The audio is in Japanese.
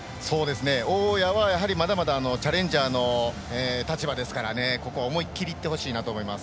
大矢はまだまだチャレンジャーの立場ですからここは思い切りいってほしいと思います。